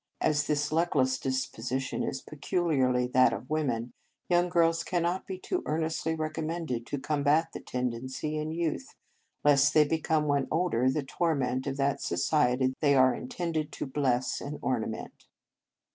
As this luckless disposition is pecu liarly that of women, young girls can not be too earnestly recommended to combat the tendency in youth, lest they become, when older, the tor ment of that society they are intended to bless and ornament."